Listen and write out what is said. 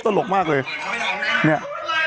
ตลกมากเลยเนี่ย